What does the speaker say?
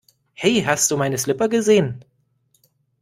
Hey hast du meine Slipper gesehen?